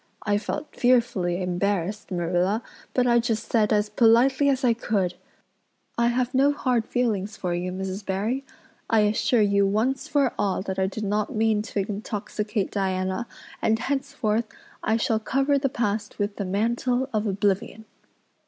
I felt fearfully embarrassed, Marilla, but I just said as politely as I could, 'I have no hard feelings for you, Mrs. Barry. I assure you once for all that I did not mean to intoxicate Diana and henceforth I shall cover the past with the mantle of oblivion.